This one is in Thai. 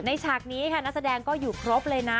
ฉากนี้ค่ะนักแสดงก็อยู่ครบเลยนะ